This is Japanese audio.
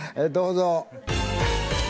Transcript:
どうぞ！